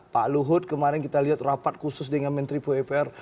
pak luhut kemarin kita lihat rapat khusus dengan menteri pue pr